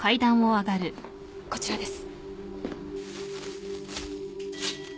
こちらです。